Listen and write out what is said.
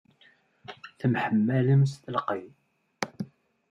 Temḥemmalem s telqey?